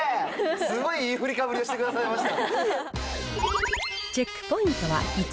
すごいいい振りかぶりをしてくださいました。